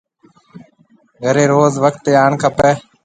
گھريَ روز وقت تي آڻ کپيَ۔